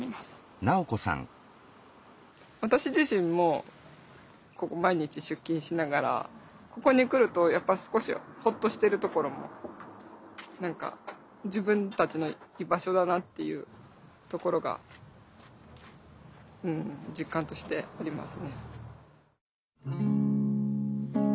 私自身もここ毎日出勤しながらここに来るとやっぱ少しホッとしてるところも何か自分たちの居場所だなっていうところが実感としてありますね。